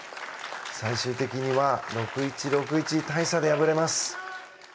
最終的には６−１６−１、大差で敗れます。